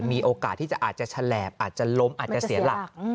มีโอกาสที่จะอาจจะแฉลบอาจจะล้มอาจจะเสียหลัก